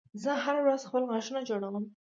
زه هره ورځ خپل غاښونه جوړوم